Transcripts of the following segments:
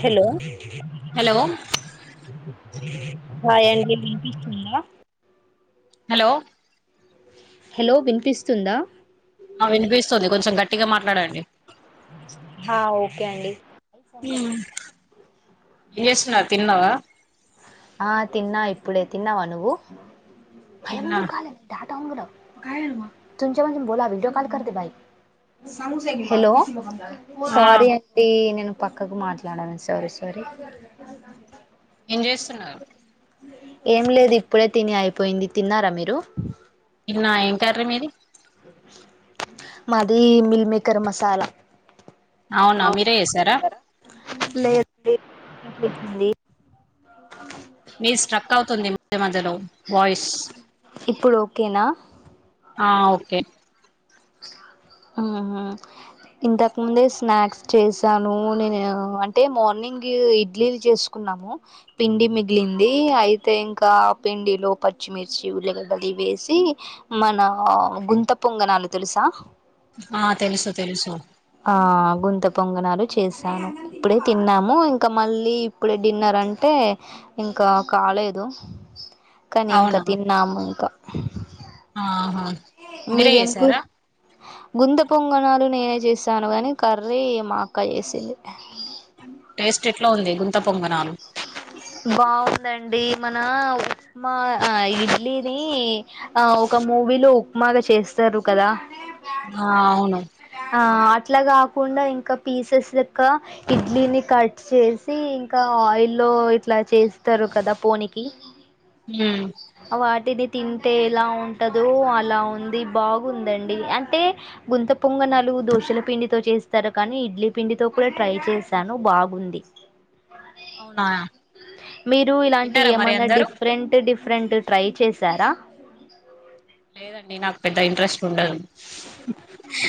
Hello hello hi అండి వినిపిస్తుందా hello hello వినిపిస్తుందా ఆ వినిపిస్తుంది కొంచెం గట్టిగా మాట్లాడండి హా ఓకే అండి ఏం చేస్తున్నారు తిన్నవా ఆ తిన్నా ఇప్పుడే తిన్నావా నువ్వు తిన్నా [unintelligible] బోలా వీడియో కాల్ కర్తే బయ్ హలో ఆ సారీ అండి నేను పక్కకు మాట్లాడాను సారీ సారీ ఏం చేస్తున్నారు ఏం లేదు ఇప్పుడే తిని అయిపోయింది తిన్నారా మీరు నా ఏం కర్రీ మీది మాది మిల్ మేకర్ మసాలా అవునా మీరే చేసారా లేదండి [inaudible] మీది స్ట్రక్ అవుతుంది మధ్య మధ్యలో వాయిస్ ఇప్పుడు ఓకేనా ఆ ఓకే ఆహ ఇంతకు ముందే స్నాక్స్ చేసాను నేను అంటే మార్నింగ్ ఇడ్లీలు చేసుకు న్నాము పిండి మిగిలింది అయితే ఇంకా పిండి లో పచ్చిమిర్చి ఉల్లిగడ్డలు వేసి మన గుంత పొంగణాలు తెలుసా ఆ తెలుసు తెలుసు ఆ గుంత పొంగనాలు చేశాను ఇప్పుడే తిన్నాము ఇంకా మళ్ళీ ఇప్పుడే డిన్నర్ అంటే ఇంకా కాలేదు కానీ ఇంకా అవునా తిన్నాము ఇంకా ఆహా మీరే మీదెం కూర చేసారా గుత్ త పొంగణాలు నేనే చేసాను గాని కర్రీ మాక్క చేసింది టేస్ట్ ఎట్ల ఉంది గుంత పొంగనాలు బావుందండి మన ఉప్మా ఆ ఇడ్లీని ఆ ఒక మూవీలో ఉప్మాగా చేస్త తరు కదా ఆ అవును ఆ అట్లా కాకుండా ఇంకా పీసెస్ లెక్క ఇడ్లీని కట్ చేసి ఇంకా ఆయిల్లో ఇట్లా చేస్తారు కదా పోనికి హ్మ్ తిది తింటే ఎలా ఉంటందో అలా ఉంది బాగుందండి అంటే గుంత పొంగ నాలు దోశల పిండితో చేస్తారు కానీ ఇడ్లీ పిండితో కూడా ట్రై చేశాను బాగుంది అవునా మీరు ఇలాంటి తిన్నారా మరి ఏమన్నా అందరూ డిఫరెంట్ డిఫ ఫ్రెండ్ ట్రై చేశారా లేదండి నాకు పెద్ద ఇంట్రెస్ట్ దు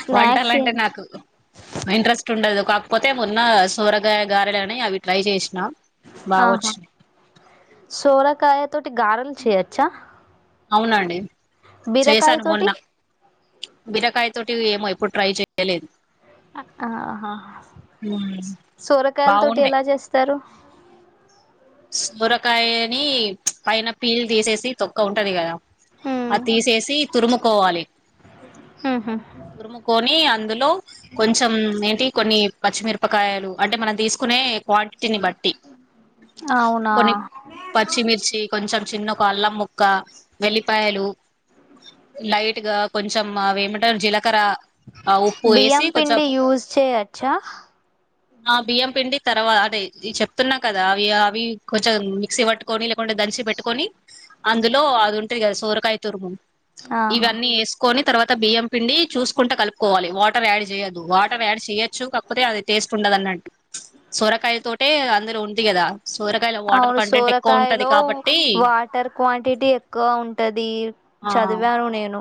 స్నాక్స్ ఏం వంటాలంటే నాకు ఇంట్రెస్ట్ ఉండదు పోతే మొన్న సోరగాయ గారెలని అవి ట్రై చేసినా బాగా ఆహా వచ్చినాయి సోరకాయ తటి గారల్ చే అచ్చా అవునండి చేశాను తోటి మొన్న బిరకాయ తోటి ఏమో ఎప్పుడు ట్రై చెయలేదు ఆహా మ్మ్ సొరకాయల తోటి బాగుండే ఎలా చేస్తారు సోరకాయని పైన పీలు తీసేసి తొక్క ఉంటది కదా హ్మ్ అది తీసేసి తురుముకోవాలి ఉహు తురుముకొని అందులో కొంచెం ఏంటి కొన్ని పచ్చిమిరపకాయలు అంటే మనం తీసుకునే క్వాంటిటీని బట్టి అవునా కొన్ని పచ్చిమిర్చి కొంచెం చిన్న ఒక అల్లం ముక్క వెల్లిపాయలు లైట్ గా కొంచెం అవ ఏమంటారు జీలకర బియంపిండి యూస్ చేయచ్చా ఆ బియ్యం పిండి తర్వా అంటే చెప్తున్నా కదా అ అవి కొంచెం మిక్సీ పట్టుకొని లేకుంటే దంచి పెట్టుకొని అందులో అది ఉంటుది కదా సోరకాయ ఆహా ఇవన్నీ వేసుకొని తర్వాత బియ్యం పిండి చసుకుంటే కలుపుకోవాలి వాటర్ యాడ్ చేయదు వాటర్ యాడ్ చేయచ్చు కాకపోతే అది టేస్ట్ ఉండదు న్నట్టు సొరకాయల తోటే అందరుూ ఉం అవును ఉంటది సోరకాయలో కాబట్టి వాటర్ క్వాంటిటీ ఎక్కువ ఉంటది చ ఆ చదివాను నేను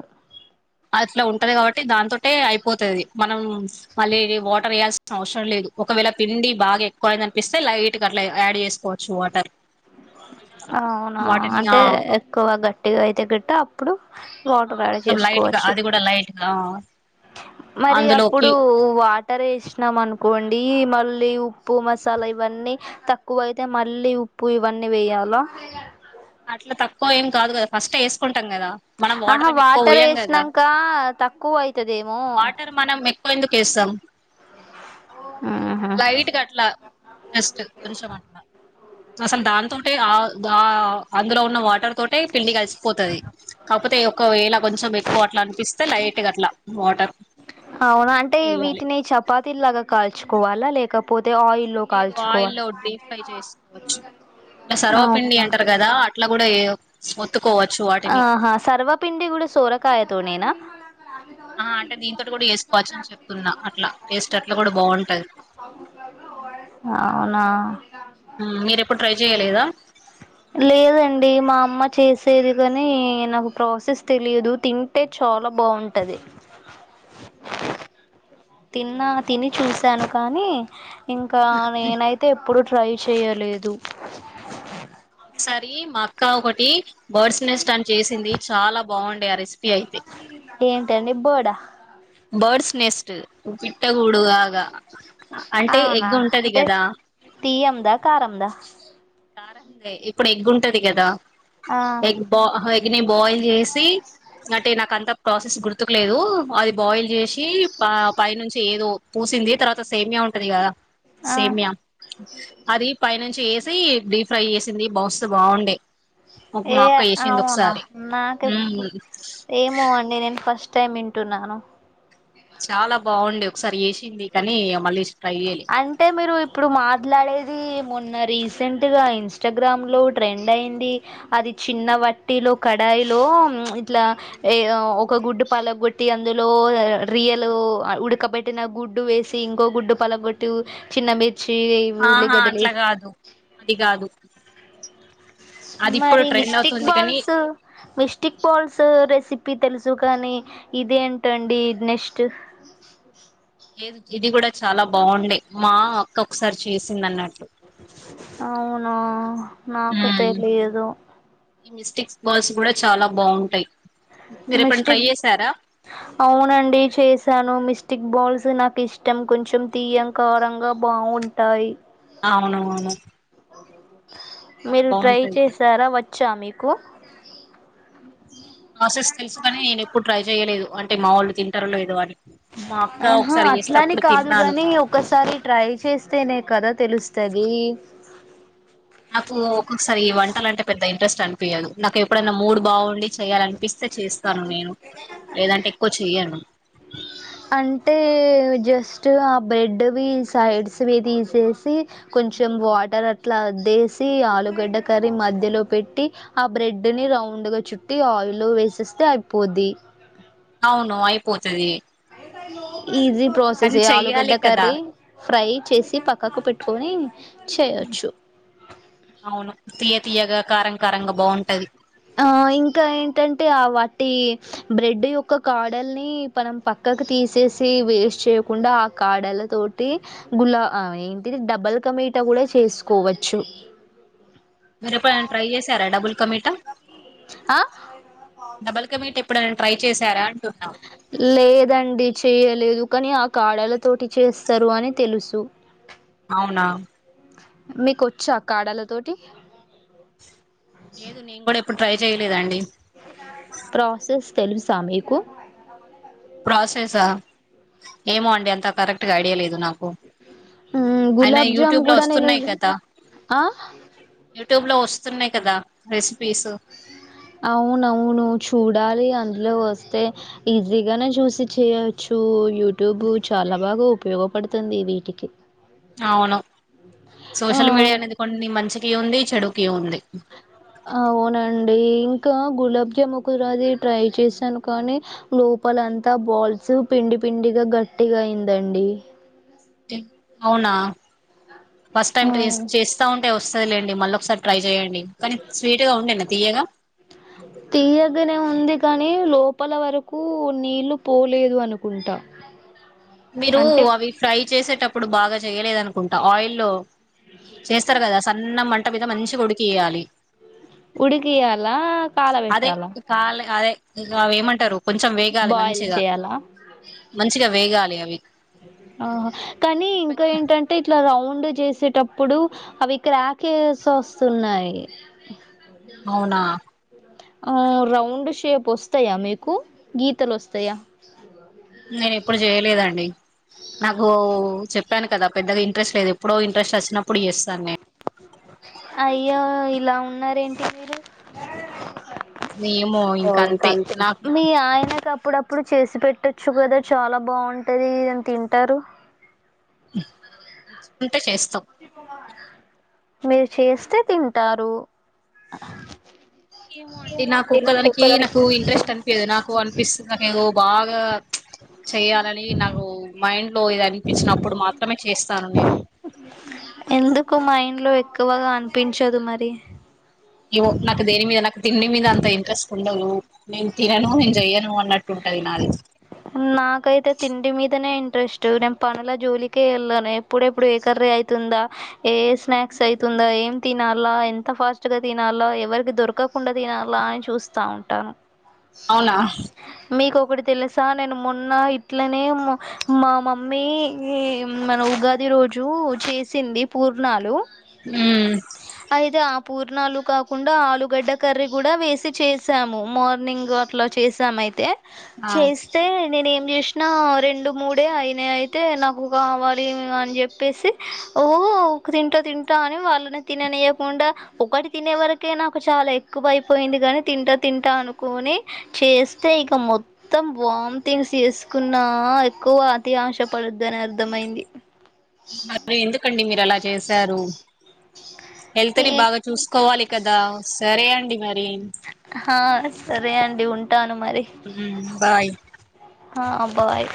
అట్లా ఉంటది కాబట్టి దాంతోటే అయిపోతుదిది మనం మళ్ళీ వాటర్ వే్యాల్సిన అవసరం లేదు ఒకవేళ పిండి బాగా ఎక్కువ అయింది అనిపిస్తే లైట్ అట్లా యాడ్ చేసుకోవచ్చు వాటర్ అవునా వాటిని ఆ అంటే ఎక్కువ గట్టిగా అయితే గట్టటి అప్పుడు ఆ వాటర్ యాడ్ కొంచెం లైట్ చేసుకోవాలి అది కూడా ైట్గా మరి అప్పుడు వాటర్ ఇచ్చినాం అనుకోండి మళ్ళీ ఉప్పు మసాలా ఇవన్నీ తక్కువ అయితే మళ్ళీ ఉప్పు ఇవన్నీ వేయాల అట్లా తక్కువ ఏం కాదు కదా ఫస్ట్ వేసుకుంట ం కదా మనం ఆహా వాటర్ం ఎక్కువ వాటర్ పోయాం కదా వేసినాక తక్కువ అయితదేమో వాటర్ మనం ఎక్కువ ఎందుకు వేస్తాం అ లైట్గా అట్లా జస్ట్ కొంచెం అట్లా అసలు దాంతో ఉంటే ఆ అందులో ఉన్న వాటర్ తోటే పెిళ్లి కలిసిపోతుది కాకపోతే ఒకవేళ కొంచెం ఎక్కువ అట్లా అనిపిస్తే లైట్ గా అట్లా వాటర్ అవునా అంటే వేయాలి వీటిని చపాతీలాగా కాల్చుకోవాలా లేకపోతే ఆయిల్లో లేదు కాల్చుకోవాలా ఆయిల్లో డీప్ ఫ్రై చేసుకోవచ్చు ఇట్లా సర్వపిండి అవునా అంటారు కదా అట్లా కూడా ఏ ఆహా సర్వపిిండి కూడా సోరకాయతోనేేనా ఆ అంటే దీంతో కూడా వేసుకోవచ్చ అని చెప్తున్నా అట్లా టేస్ట్ అట్లా కూడా బాగుంటది అవునా మీరు ఎప్పుడు ట్రై చేయలేదా లేదండి మా అమ్మ చేసేది కాని నాకు ప్రాసెస్ తెలియదు తింటే చాలా చ బాగుంటది అవును తిన్నా తిని చూసాను కానీ ఇంకా నేనైతే ఎప్పుడు ట్రై చేయలేదు ఒకసారి మా అక్క ఒకటి బర్డ్స్ నెస్ట్ అని చేసింది చాలా బాగుండే అరి ఏంట అండి బర్డ్ ఆ బర్డ్స్ నెస్ట్ ఊ పిట్ట గూడు ఆగా అవునా అంటే తీదా కారందా కారం దే ఇప్పుడు ఎగ్ ఉంటది కదా ఆ ఎగ్ బా ఎగ్ న బాయిల్ చేసి అంటే నాక అంత ప్రాసెస్ గుర్తుకులేదు అది బాయిల్ చేసి పై నుంచి ఏదో పూసింది తర్వాత సేమియా ఉంటది కదా ఆ సేమియా అది పైనుంచి ఏ డీప్ ఫ్రై చేసింది బాస్త బాగుండే ఏ మా అక్క చేసింది అవునా ఒకసారి నాకేపు ఉమ్ ఏమో అండి నేను ఫస్ట్ టైమ్ వింటున్నాను చాలా బాగుండే ఒకసారి వేసింది కాని మల్లేష్ అంటే మీరు ఇప్పుడు మాట్లాడేది మొన్న రీసెంట్ గా ఇన్స్టాగ్రామ్ లో ట్రెండ్ అయింది అది చిన్న వట్టిలో కడ స్ లో ఇట్లా ఒక గుడ్డు పాల కొట్టి అందులో రియల్ ఉడకబెట్టిన గుడ్డు వేసి ఇంకో గుడ్డు పలగొట్టి చిన్న మీద వచ్చ ఆహా ఉల్లిగడ్డ అట్లా లేసి కాదు అది కాదు అది ఇప్పుడు మరి ట్రెండ్ మిస్టిక్ అవుతుంది కానీ బాల్స్ మిస్టిక్ బాల్స్ రెసిపీ చెప్పి తెలుసు కానీ ఇదేంటండి నెక్స్ట్ ఇది కూడా చాలా బాగుండే మా అక్క ఒకసారి చేసింది అన్నాటు అవును నాకు తెలియదు ఈ మిస్టేక్ బాల్స్ కూడా చాలా బాగుంటాయి మీరు ఎప్పుడైనా మిస్టి ట్రై చేసారా అవునండి చేశాను మిస్ స్టిక్ బాల్స్ నాకు ఇష్టం కొంచెం తీయంకారంగా బాగుంటాయి అవును అవును మీరు ట్రై చేశారా వచ్చా మీకు ప్రసెస్ తెలుసుగానీ నేను ఎప్పుడు ట్రై చెయలేదు అంటే మా వాళ్ళు తింటర్లే లేదో అని మా అక్క ఆహా ఒకసారి చేస్తే అట్లాని అప్పుడు కాదు తిన్నాను గాని ఒకసారి ట్రై చేస్తేనే కద తెలుస్తది నాకు ఒక్కొక్కసారి వంటలు అంటే పెద్దయి ఇంట్రెస్ట్ అనిపియాదు నాకు ఎప్పుడైనా మూడ్ బాగుండి చేయ్యాలనిపిస్తే చేస్తాను నేను లేదంటే ఎక్కువ చెయ్యను అంటే జస్ట్ ఆ బ్రెడ్వి సైడ్స్వి తీసేసి కొ కొంచం వాటర్ అట్లా ఆదేశి అలుగడా కరీ మద్య లో పెట్టి ఆ బ్రెడ్ ని రౌం రౌండ్గా చుట్టి ఆయిల్ వేసేస్తే అయిపోద్ది అవును అయిపోతది ఈజీ ప్రాసెస్ కానీ ఏ ఆలూగడ్డ చెయ్యాలి కదా కర్రీ ఫ్రై చేసి పక్కకు పెట్టుకొని చేయొచ్చు అవును తీయ తీయగా కారంకరంగా బాగుంటది ఆ ఇంకా ఏంటంటే ఆ వాటి బ్రెడ్ యొక్క కాడల్ని మనం పక్క తీసేసి వెస్ట్ చేయకుండా ఆ కాడలతోటి గుల్ల ఏంటిది డబుల్ కా ఒక్క మీట కూడా చేసుకోవచ్చు మీర్ ఎప్పుడైనా ట్రై చేసార డబుల్ క మీటా ఆ ఎపుడైనా ట్రై చేశారా ఆన్ లేదండి చేయలే లేదు కాని ఆ కాడాలతోటి చేస్తారు అని తెలుసు అవునా మీకోచ్చా కాడల తోటి లేదు నేను కూడా ఎప్పుడు ట్రై చేయలేదండి. ప్రాసెస్ తెలుసా మీకు? ప్రాసెసా? ఏమో అండి అంత కరెక్ట్గా ఐడియా లేదు నాకు. అయిన గులాబ్ జామ్ యూట్యూబ్ లో కూడా నేను వస్తున్నయి గదా. ఆ ట్యూబ్లో వస్తున్నాయి కదా రెస్ అవునవును చూడాలి అ అందులో వస్తే ఈజీగానే చూసి చేయచ్చు, యూటూబు చాలా బాగా ఉప్ ఉపయోగపడుతుంది ఈ వీటికి అవును ఆ సోషల్ మీడియా అనేది కొన్ని మంచికి ఉంది చెడుకి ఉంది. అవునం డి ఇంకా గులాబ్ జాము ఒకరది ట్రై చేసాను కానీ, లోపలంతా బాల్స్ త్ పిండి పిండిగా గట్టిగ అయిందండి. అవునా ఫస్ట్ టైమ్ ఆ త్ చేస్తా ఉంటే వస్తుందిలేండి మళ్ళ ఒకసారి ట్రై చేయండి కానీ స్వీట్గా ఉండేన తీయగా. తీయగానే ఉంది కానీ లోపల వరకు నీళ్లు పోలేదు అనుకుంటా మీరు అంటే అవి ఫ్రై చేసేటప్పుడు బాగా చేయలేదు అనుకుంటా ఆయిల్లో చేస్తరు కదా సన్న మంట మీద మంచిగా ఉడికియాలి ఉడికియాలా అదే కాలబెట్టాలా కాల అదే ఇగ అవి ఏమంటారు. కొంచెం వేగాలి బాయిల్ మంచిగా చేయాలా మంచిగా వేగాలి అవి ఆహా కానీ ఇంకా ఏంటంటే ఇట్లా రౌండ్ డ్ చేసేటప్పుడు అవి ఇక్క క్రాకేస్ వస్తున్నాయి. అవునా ఆ రౌండ్ షేప్ ఒస్తయా మీకు గీతలు ఒస్తయా నేను ఎప్పుడు చేయలేదండి నాకు చెప్పాను కదా పెద్దగా ఇంట్రెస్ట్ లేదు ఎప్పుడో ఇంట్రెస్ట్ ఒచ్చినప్పుడు చేస్తాను నేను అయ్యో ఇలా ఉన్నారేంటి మీరు నేను ఏమో ఓ ఇంక ఇంకా అంతే నాకు మీ ఆయనకప్పుడప్పు పుడు చేసి పెట్టచ్చు కదా చాలా బాగుంటంది అని తింటారు. మెచ్చుకుంటే చేస్తాం మీరు చేస్తే తింటారు. ఏమో అండి నాకు ఒక్కదానికి నాకు ఇంట్రెస్ట్ అనిపీయదు నాకు అనిపిస్తదని నాకేదో బాగా చెయాలని నాకు మైండ్ లో ఇది అనిపించినప్పుడు మాత్రమే చేస్ స్తాను నేను ఎందుకు మైండ్ లో ఎక్కువగా అనిపించదు మరి ఇవో నాకు దేని మీద నాకు తిండి మీద అంత ఇంట్రెస్ట్ ఉండదు, నేను తినను నేను చెయ్యను అన్నట్టు ఉంటది నాది నాకైతే తిండి మీదనే ఇంట్రెస్ట్ నేను పనుల జోలికే ఎళ్ళను ఎప్పుడ ఎప్పుడు ఏకర్రి ఐతుందా ఏ స్నాక్స్ ఐతుందా ఏం తినాలా ఎంత ఫాస్ట్ గా తినాలా ఎవరికి దొర్ కకుండా తినాల అని చూస్తా ఉంటాను. అవునా చ నేను మొన్న ఇట్లనే మా మమ్మీ ఈ మన ఉగాది రోజు కు చేసింది పూర్నాలు ఉమ్ అయితే అప్ పూర్ణాలు కాకుండా ఆలుగడ్డ కర్రీ కుడా వేసి చేసాము మార్నింగ్ అట్ల చేసామయితే ఆ అయితే నేను ఏం చేసినా రెండు మూడే అయిన అయితే నాకు కావాలి అని చెప్పేసి ఓ తింటా తింటా అని వాళ్ళని తిననియ్యకుండా ఒకటి తినే వరకే నాకు చాల్ లా ఎక్కువయిపోయింది కాని తింటా తింటా అనుకొని చేస్తే ఇగ మొత్తం వామిటింగ్స్ చేసుకున్నా ఎక్కువ అతి ఆశ పడద్దు ఆబ్బె ఎందుకండి మీరల చే చేసారు హెల్త్ ని ఏ బాగా చూసుకోవాలి కదా సరే అండి మరి. ఆ సరే అండి ఉంటాను మరి ఉమ్ బాయ్ హా బాయ్